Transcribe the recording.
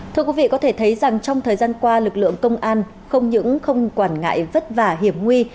thưa quý vị có thể thấy rằng trong thời gian qua lực lượng công an không những không quản ngại vất vả hiểm nguy